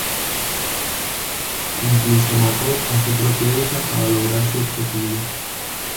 Incluso mató a su propia hija para lograr su objetivo.